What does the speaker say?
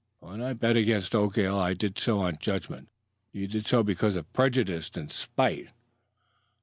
When I bet against Oakdale, I did so on judgment; you did so because of prejudice and spite.